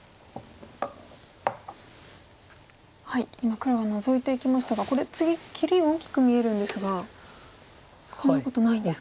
今黒がノゾいていきましたがこれ次切り大きく見えるんですがそんなことないんですか。